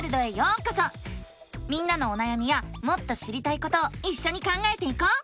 みんなのおなやみやもっと知りたいことをいっしょに考えていこう！